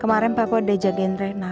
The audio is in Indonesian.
kemarin papa udah jagain rena